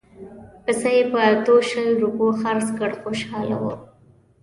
پسه یې په اتو شل روپیو خرڅ کړ خوشاله وو.